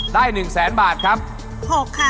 ได้หนึ่งแสนบาทครับ